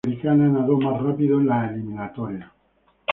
La americana nadó más rápido en las eliminatorias.